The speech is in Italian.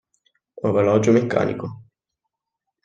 Orologio meccanico